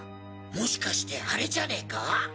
もしかしてアレじゃねぇか？